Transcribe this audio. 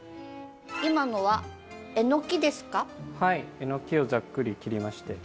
えのきをざっくり切りまして。